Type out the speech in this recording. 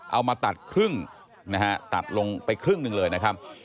เอามาตัดครึ่งนะฮะตัดลงไปครึ่งหนึ่งเลยนะครับ